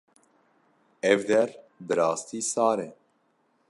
Ev der bi rastî sar e.